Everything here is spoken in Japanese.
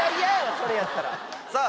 それやったらさあ